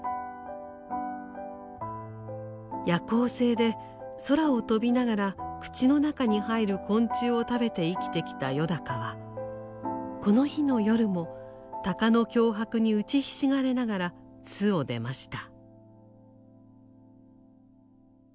夜行性で空を飛びながら口の中に入る昆虫を食べて生きてきたよだかはこの日の夜も鷹の脅迫に打ちひしがれながら巣を出ました。